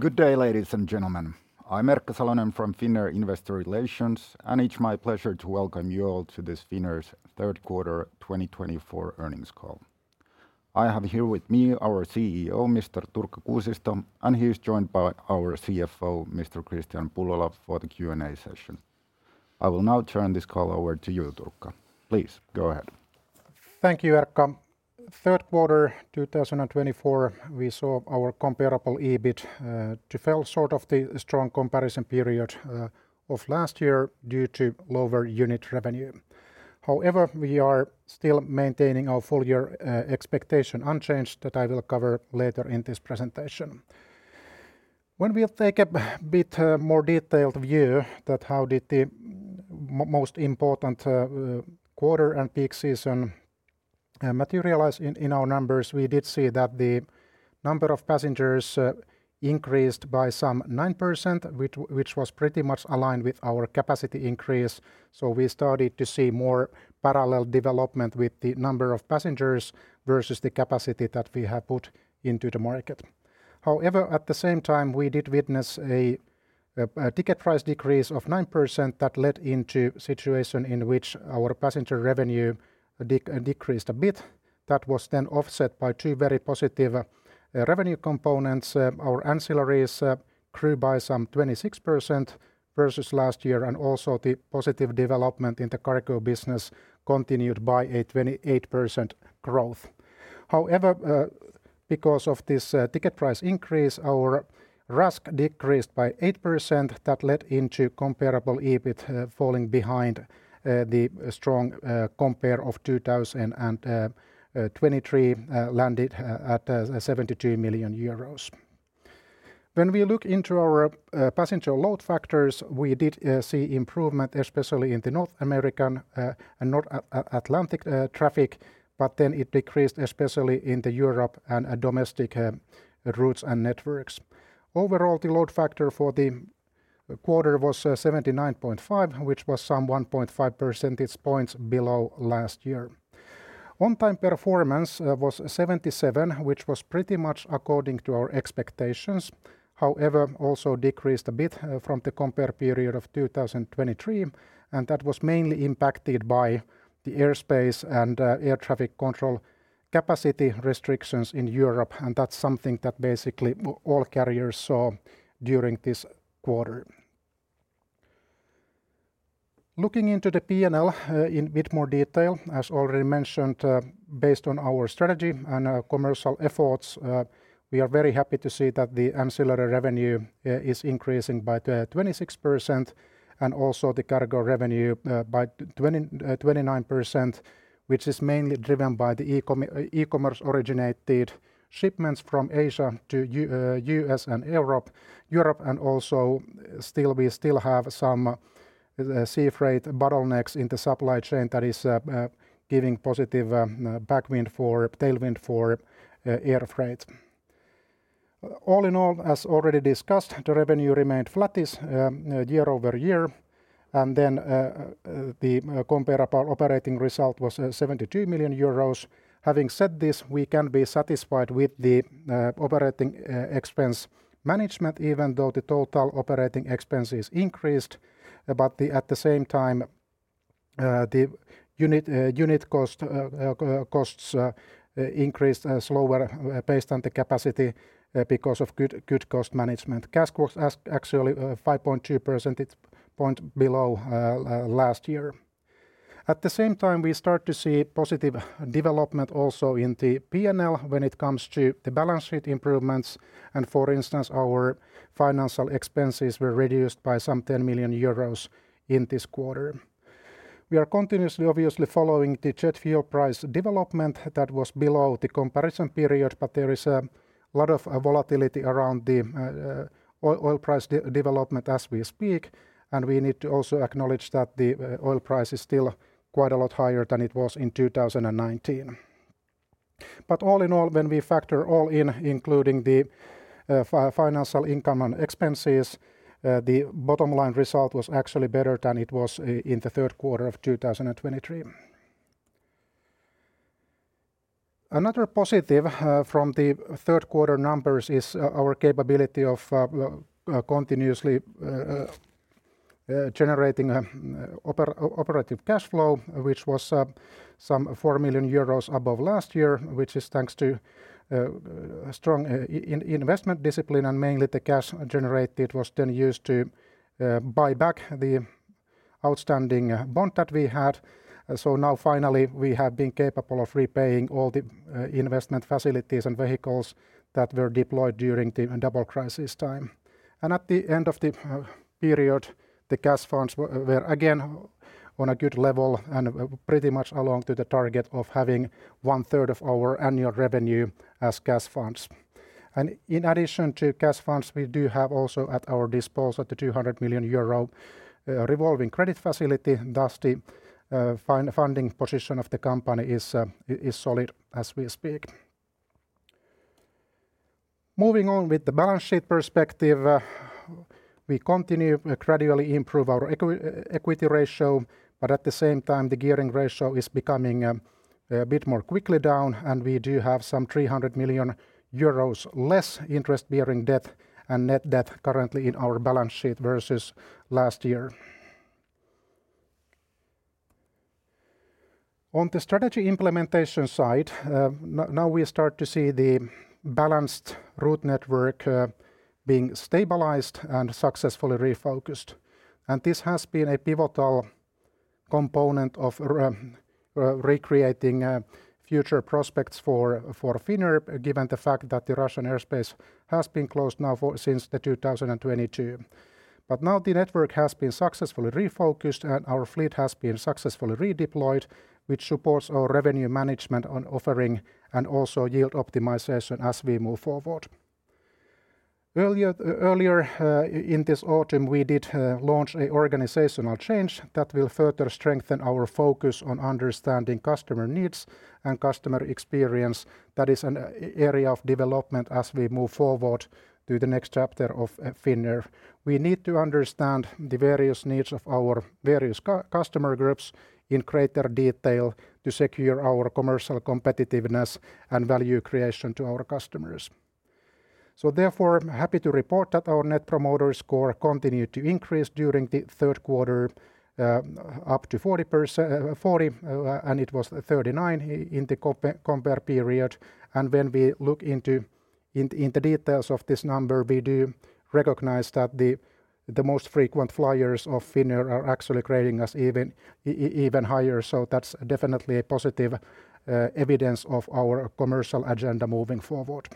Good day, ladies and gentlemen. I'm Erkka Salonen from Finnair Investor Relations, and it's my pleasure to welcome you all to this Finnair's third quarter 2024 earnings call. I have here with me our CEO, Mr. Turkka Kuusisto, and he is joined by our CFO, Mr. Kristian Pullola, for the Q&A session. I will now turn this call over to you, Turkka. Please, go ahead. Thank you, Erkka. Third quarter 2024, we saw our comparable EBIT to fell short of the strong comparison period of last year due to lower unit revenue. However, we are still maintaining our full year expectation unchanged, that I will cover later in this presentation. When we take a bit more detailed view that how did the most important quarter and peak season materialize in our numbers, we did see that the number of passengers increased by some 9%, which was pretty much aligned with our capacity increase. So we started to see more parallel development with the number of passengers versus the capacity that we have put into the market. However, at the same time, we did witness a ticket price decrease of 9% that led into situation in which our passenger revenue decreased a bit. That was then offset by two very positive revenue components. Our ancillaries grew by some 26% versus last year, and also the positive development in the cargo business continued by a 28% growth. However, because of this ticket price increase, our RASK decreased by 8%, that led into comparable EBIT falling behind the strong compare of 2023, landed at 72 million euros. When we look into our passenger load factors, we did see improvement, especially in the North American and North Atlantic traffic, but then it decreased, especially in the Europe and domestic routes and networks. Overall, the load factor for the quarter was 79.5%, which was some 1.5 percentage points below last year. On-time performance was 77%, which was pretty much according to our expectations. However, also decreased a bit from the comparable period of 2023, and that was mainly impacted by the airspace and air traffic control capacity restrictions in Europe, and that's something that basically all carriers saw during this quarter. Looking into the P&L, in a bit more detail, as already mentioned, based on our strategy and our commercial efforts, we are very happy to see that the ancillary revenue is increasing by 26%, and also the cargo revenue by 29%, which is mainly driven by the e-commerce originated shipments from Asia to U.S. and Europe, and also still... we still have some sea freight bottlenecks in the supply chain that is giving positive tailwind for air freight. All in all, as already discussed, the revenue remained flattish year over year, and then the comparable operating result was 72 million euros. Having said this, we can be satisfied with the operating expense management, even though the total operating expenses increased. But at the same time, the unit costs increased slower based on the capacity because of good cost management. Cash costs actually 5.2 percentage points below last year. At the same time, we start to see positive development also in the P&L when it comes to the balance sheet improvements, and for instance, our financial expenses were reduced by some 10 million euros in this quarter. We are continuously obviously following the jet fuel price development that was below the comparison period, but there is a lot of volatility around the oil price development as we speak, and we need to also acknowledge that the oil price is still quite a lot higher than it was in 2019. But all in all, when we factor all in, including the financial income and expenses, the bottom line result was actually better than it was in the third quarter of 2023. Another positive from the third quarter numbers is our capability of continuously generating operating cash flow, which was some 4 million euros above last year, which is thanks to a strong investment discipline, and mainly the cash generated was then used to buy back the outstanding bond that we had. So now finally, we have been capable of repaying all the investment facilities and vehicles that were deployed during the double crisis time. At the end of the period, the cash funds were again on a good level and pretty much along to the target of having one third of our annual revenue as cash funds. In addition to cash funds, we do have also at our disposal the 200 million euro revolving credit facility. Thus, the funding position of the company is solid as we speak. Moving on with the balance sheet perspective. We continue to gradually improve our equity ratio, but at the same time, the gearing ratio is becoming a bit more quickly down, and we do have some 300 million euros less interest-bearing debt and net debt currently in our balance sheet versus last year. On the strategy implementation side, now we start to see the balanced route network being stabilized and successfully refocused. This has been a pivotal component of recreating future prospects for Finnair, given the fact that the Russian airspace has been closed now for since 2022. Now the network has been successfully refocused, and our fleet has been successfully redeployed, which supports our revenue management on offering and also yield optimization as we move forward. Earlier in this autumn, we did launch a organizational change that will further strengthen our focus on understanding customer needs and customer experience. That is an area of development as we move forward to the next chapter of Finnair. We need to understand the various needs of our various customer groups in greater detail to secure our commercial competitiveness and value creation to our customers, so therefore, I'm happy to report that our Net Promoter Score continued to increase during the third quarter up to 40%, and it was 39% in the comparable period. And when we look into the details of this number, we do recognize that the most frequent flyers of Finnair are actually rating us even higher, so that's definitely a positive evidence of our commercial agenda moving forward.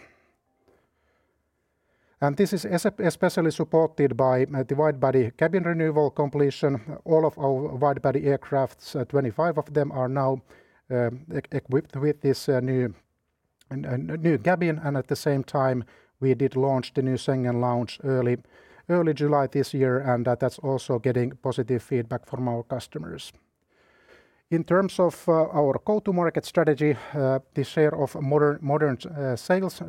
And this is especially supported by the wide-body cabin renewal completion. All of our wide-body aircraft, 25 of them, are now equipped with this new cabin. At the same time, we did launch the new Schengen lounge early July this year, and that's also getting positive feedback from our customers. In terms of our go-to-market strategy, the share of modern sales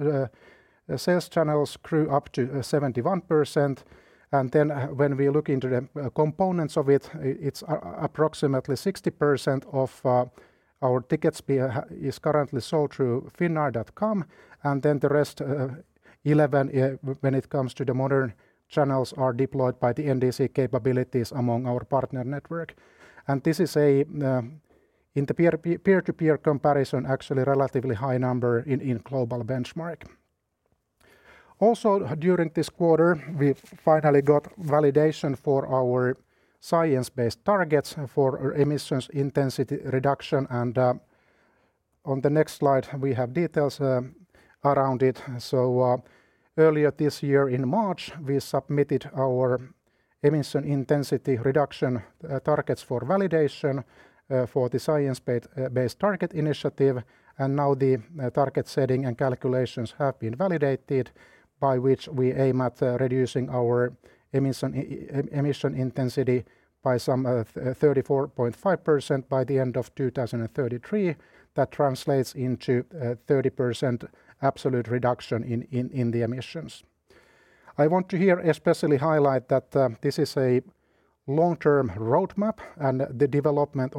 channels grew up to 71%. Then, when we look into the components of it, it's approximately 60% of our tickets is currently sold through finnair.com. Then the rest, 11%, when it comes to the modern channels, are deployed by the NDC capabilities among our partner network. And this is in the peer-to-peer comparison, actually a relatively high number in global benchmark. Also, during this quarter, we finally got validation for our science-based targets for emissions intensity reduction, and on the next slide, we have details around it. So earlier this year, in March, we submitted our emission intensity reduction targets for validation for the Science Based Targets initiative. And now the target setting and calculations have been validated, by which we aim at reducing our emission intensity by some 34.5% by the end of 2033. That translates into 30% absolute reduction in the emissions. I want to here especially highlight that this is a long-term roadmap, and the development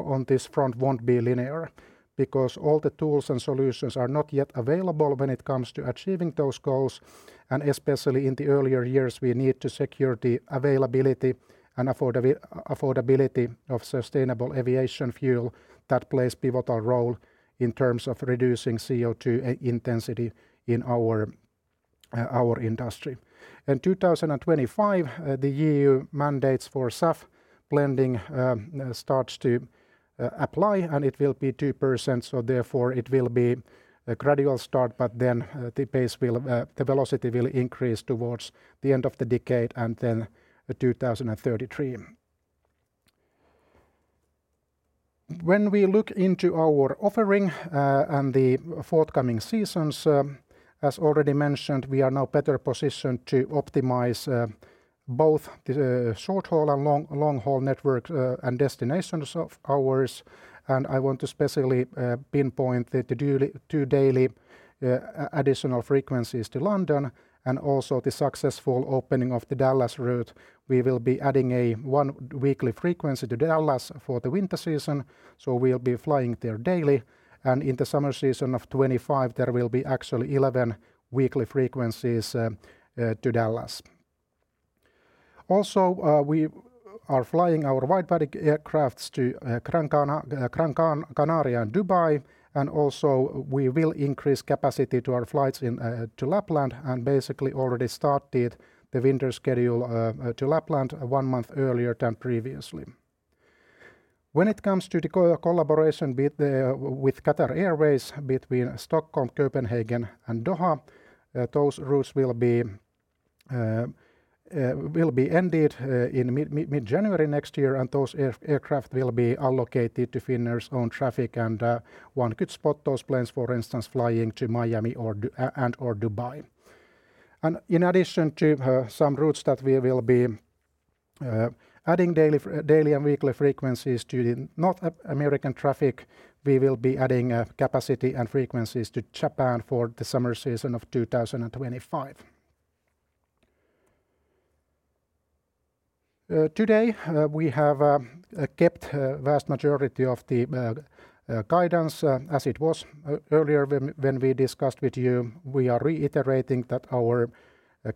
on this front won't be linear. Because all the tools and solutions are not yet available when it comes to achieving those goals, and especially in the earlier years, we need to secure the availability and affordability of sustainable aviation fuel that plays pivotal role in terms of reducing CO2 intensity in our industry. In 2025, the EU mandates for SAF blending starts to apply, and it will be 2%, so therefore it will be a gradual start, but then the pace will, the velocity will increase towards the end of the decade and then by 2023. When we look into our offering, and the forthcoming seasons, as already mentioned, we are now better positioned to optimize both the short-haul and long-haul network, and destinations of ours. I want to specifically pinpoint the two additional daily frequencies to London and also the successful opening of the Dallas route. We will be adding one weekly frequency to Dallas for the winter season, so we'll be flying there daily. In the summer season of 2025, there will be actually 11 weekly frequencies to Dallas. Also, we are flying our wide-body aircraft to Gran Canaria and Dubai, and also, we will increase capacity to our flights to Lapland, and basically already started the winter schedule to Lapland one month earlier than previously. When it comes to the collaboration with Qatar Airways between Stockholm, Copenhagen, and Doha, those routes will be ended in mid-January next year, and those aircraft will be allocated to Finnair's own traffic. One could spot those planes, for instance, flying to Miami or Dubai. In addition to some routes that we will be adding daily and weekly frequencies to the North American traffic, we will be adding capacity and frequencies to Japan for the summer season of 2025. Today, we have kept a vast majority of the guidance as it was earlier when we discussed with you. We are reiterating that our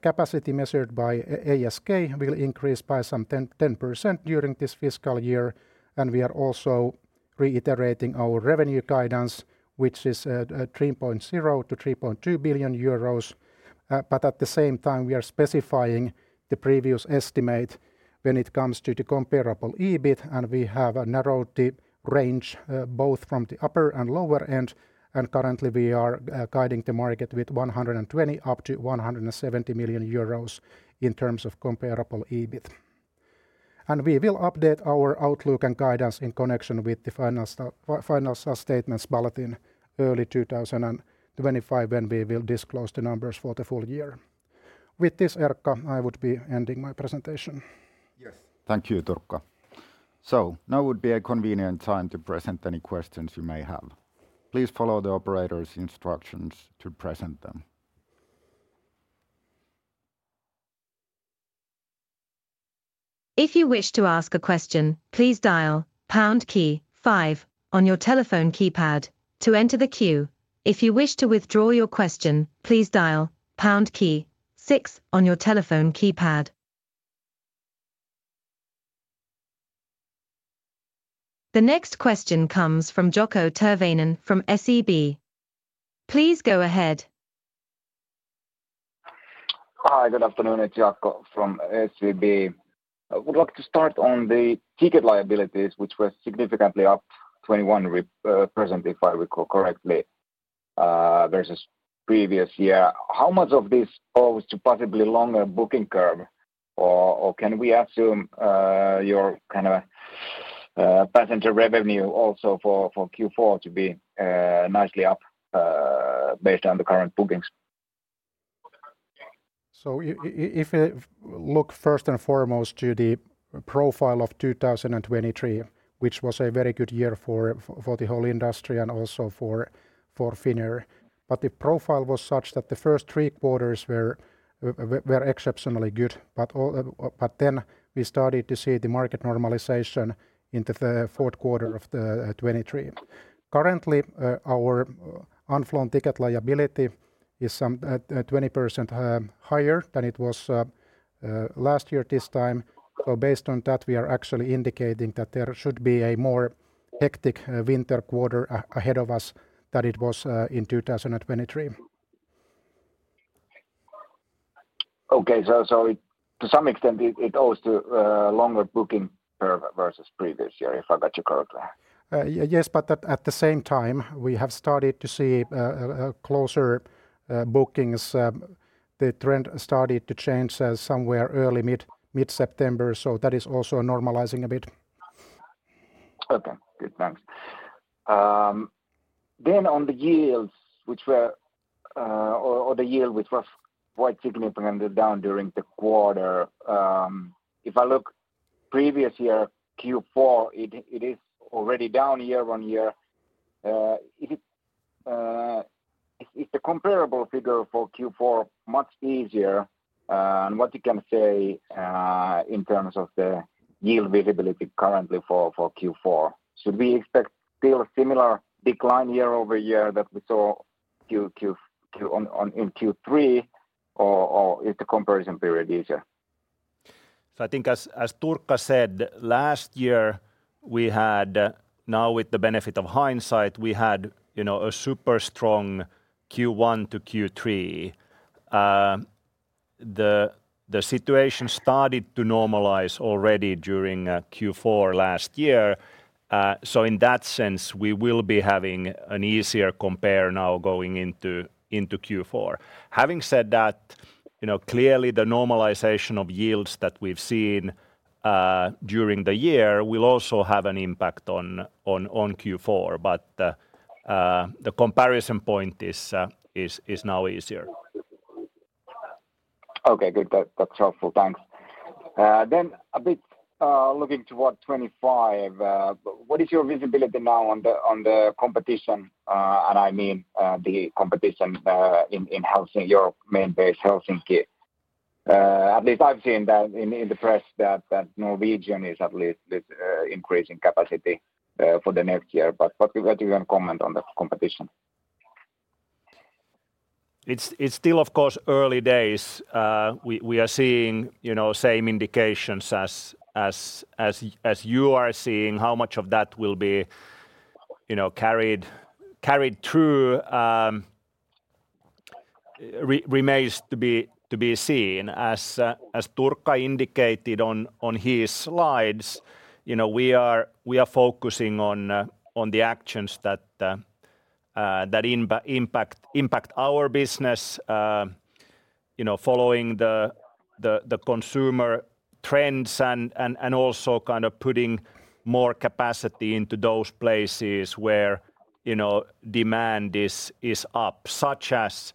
capacity measured by ASK will increase by some 10, 10% during this fiscal year, and we are also reiterating our revenue guidance, which is at 3.0-3.2 billion euros. But at the same time, we are specifying the previous estimate when it comes to the comparable EBIT. We have narrowed the range both from the upper and lower end, and currently we are guiding the market with 120-170 million euros in terms of comparable EBIT. We will update our outlook and guidance in connection with the final financial statements bulletin early 2025, when we will disclose the numbers for the full year. With this, Erkka, I would be ending my presentation. Yes. Thank you, Turkka. So now would be a convenient time to present any questions you may have. Please follow the operator's instructions to present them. If you wish to ask a question, please dial pound key five on your telephone keypad to enter the queue. If you wish to withdraw your question, please dial pound key six on your telephone keypad. The next question comes from Jaakko Tyrväinen from SEB. Please go ahead. Hi, good afternoon. It's Jaakko from SEB. I would like to start on the ticket liabilities, which were significantly up 21%, if I recall correctly, versus previous year. How much of this owes to possibly longer booking curve? Or can we assume your kind of passenger revenue also for Q4 to be nicely up based on the current bookings? So if you look first and foremost to the profile of 2023, which was a very good year for the whole industry and also for Finnair. But the profile was such that the first three quarters were exceptionally good. But then we started to see the market normalization into the fourth quarter of the 2023. Currently, our unflown ticket liability is some 20% higher than it was last year this time. So based on that, we are actually indicating that there should be a more hectic winter quarter ahead of us than it was in 2023. Okay. So, so to some extent, it, it owes to longer booking curve versus previous year, if I got you correctly? Yeah, yes, but at the same time, we have started to see closer bookings. The trend started to change somewhere early mid-September, so that is also normalizing a bit. Okay, good. Thanks. Then on the yields, which were, or the yield, which was quite significantly down during the quarter. If I look previous year, Q4, it is already down year on year. Is the comparable figure for Q4 much easier? And what you can say in terms of the yield visibility currently for Q4? Should we expect still a similar decline year over year that we saw in Q3, or is the comparison period easier? I think as Turkka said, last year, now with the benefit of hindsight, we had you know a super strong Q1 to Q3. The situation started to normalize already during Q4 last year. So in that sense, we will be having an easier compare now going into Q4. Having said that, you know, clearly the normalization of yields that we've seen during the year will also have an impact on Q4, but the comparison point is now easier. Okay, good. That's helpful. Thanks. Then a bit, looking toward 2025, what is your visibility now on the competition? I mean, the competition in Helsinki, your main base, Helsinki. At least I've seen that in the press, that Norwegian is at least increasing capacity for the next year. But what you can comment on the competition? It's still, of course, early days. We are seeing, you know, same indications as you are seeing. How much of that will be, you know, carried through remains to be seen. As Turkka indicated on his slides, you know, we are focusing on the actions that impact our business. You know, following the consumer trends and also kind of putting more capacity into those places where you know, demand is up, such as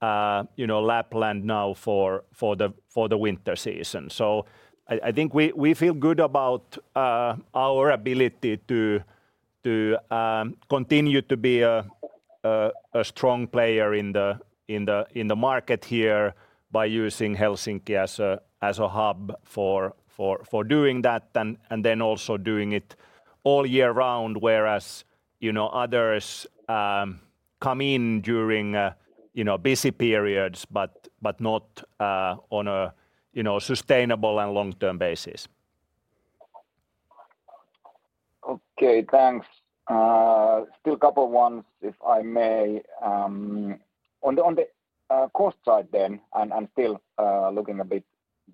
Lapland now for the winter season. So I think we feel good about our ability to continue to be a strong player in the market here by using Helsinki as a hub for doing that, and then also doing it all year round. Whereas, you know, others come in during, you know, busy periods but not on a, you know, sustainable and long-term basis. Okay, thanks. Still a couple of questions, if I may. On the cost side then. I'm still looking ahead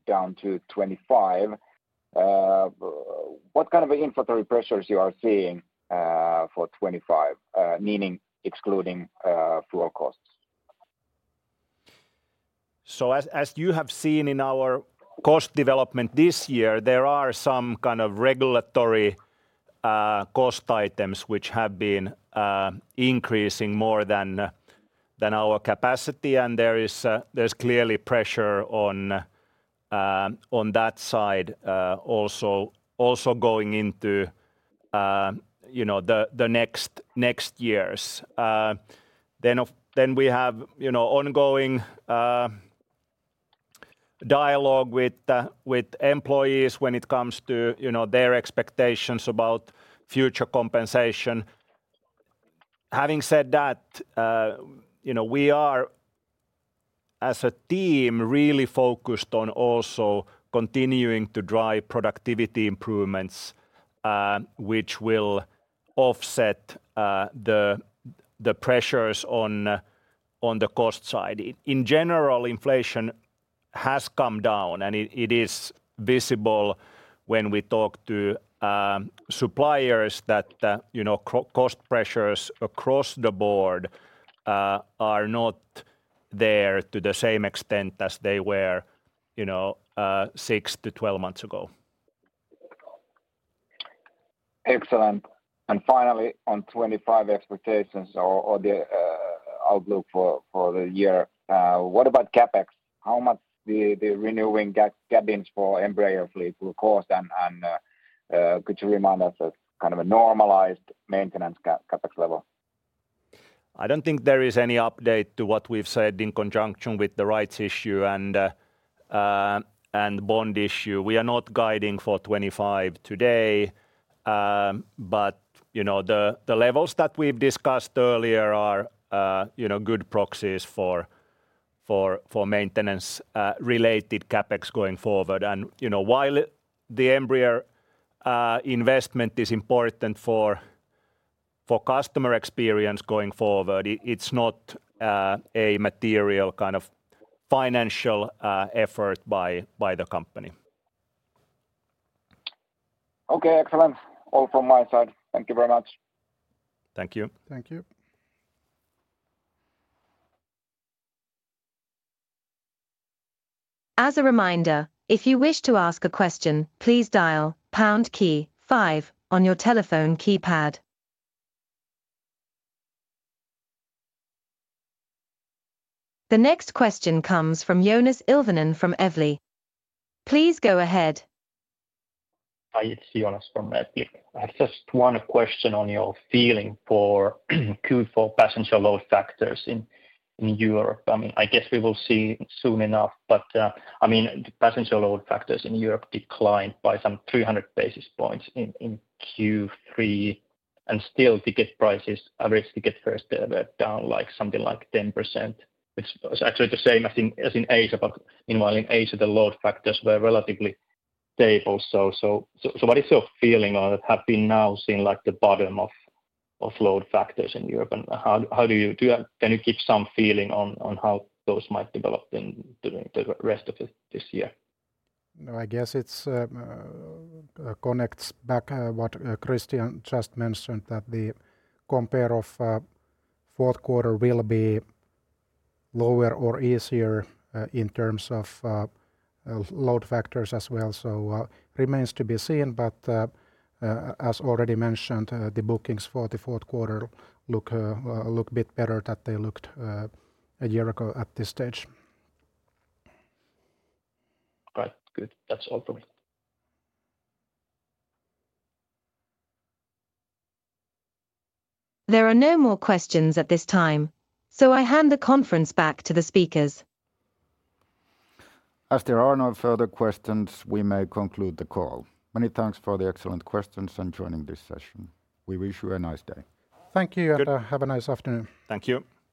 to 2025. What kind of inflationary pressures you are seeing for 2025? Meaning excluding fuel costs. So, as you have seen in our cost development this year, there are some kind of regulatory cost items which have been increasing more than our capacity, and there's clearly pressure on that side, also going into, you know, the next years. Then we have, you know, ongoing dialogue with the employees when it comes to, you know, their expectations about future compensation. Having said that, you know, we are, as a team, really focused on also continuing to drive productivity improvements, which will offset the pressures on the cost side. In general, inflation has come down, and it is visible when we talk to suppliers that the, you know, cost pressures across the board are not there to the same extent as they were, you know, six to 12 months ago. Excellent. And finally, on 2025 expectations or the outlook for the year, what about CapEx? How much the renewing cabins for Embraer fleet will cost, and could you remind us of kind of a normalized maintenance CapEx level? I don't think there is any update to what we've said in conjunction with the rights issue and bond issue. We are not guiding for 2025 today, but you know, the levels that we've discussed earlier are you know, good proxies for maintenance related CapEx going forward. You know, while the Embraer investment is important for customer experience going forward, it's not a material kind of financial effort by the company. Okay, excellent. All from my side. Thank you very much. Thank you. Thank you. As a reminder, if you wish to ask a question, please dial pound key five on your telephone keypad. The next question comes from Joonas Ilvonen from Evli. Please go ahead. Hi, it's Joonas from Evli. I have just one question on your feeling for Q4 passenger load factors in Europe. I mean, I guess we will see soon enough, but, I mean, the passenger load factors in Europe declined by some three hundred basis points in Q3, and still ticket prices, average ticket prices were down, like, something like 10%. It's actually the same, I think, as in Asia, but meanwhile, in Asia, the load factors were relatively stable. So what is your feeling on it? Have we now seen, like, the bottom of load factors in Europe, and how do you... Can you give some feeling on how those might develop during the rest of this year? No, I guess it connects back to what Kristian just mentioned, that the comp of fourth quarter will be lower or easier in terms of load factors as well. So, it remains to be seen, but, as already mentioned, the bookings for the fourth quarter look a bit better than they looked a year ago at this stage. Right. Good. That's all for me. There are no more questions at this time, so I hand the conference back to the speakers. As there are no further questions, we may conclude the call. Many thanks for the excellent questions and joining this session. We wish you a nice day. Thank you Good and have a nice afternoon. Thank you. Bye.